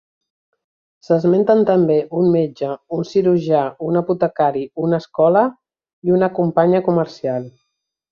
S'esmenten també un metge, un cirurgià, un apotecari, una escola, i una companya comercial.